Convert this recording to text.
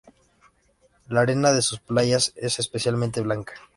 La arena de sus playas es especialmente blanca.